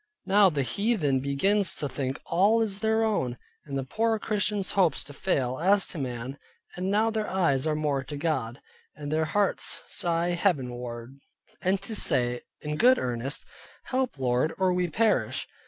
Now the heathen begins to think all is their own, and the poor Christians' hopes to fail (as to man) and now their eyes are more to God, and their hearts sigh heaven ward; and to say in good earnest, "Help Lord, or we perish."